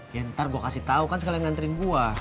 ya ntar gue kasih tau kan sekalian nganterin gue